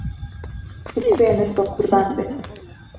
بتوێنت به قوربان بێ